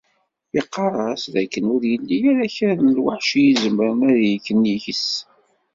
Iqqaṛ-as d akken ur yelli ara kra n lweḥc i yezemren ad d-yekk nnig-s.